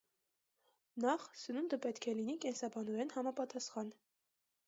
Նախ սնունդը պետք է լինի կենսաբանորեն համապատասխան։